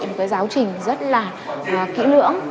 một cái giáo trình rất là kỹ lưỡng